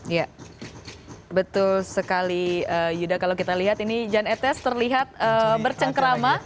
ya betul sekali yuda kalau kita lihat ini jan etes terlihat bercengkerama